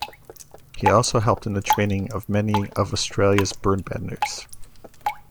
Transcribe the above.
He also helped in the training of many of Australia's bird-banders.